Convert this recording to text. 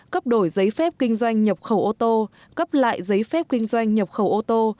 cấp đổi giấy phép kinh doanh nhập khẩu ô tô cấp lại giấy phép kinh doanh nhập khẩu ô tô